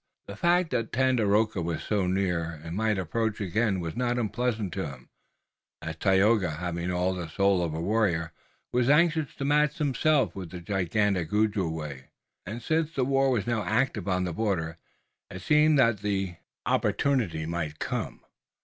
The fact that Tandakora was so near, and might approach again was not unpleasant to him, as Tayoga, having all the soul of a warrior, was anxious to match himself with the gigantic Ojibway, and since the war was now active on the border it seemed that the opportunity might come.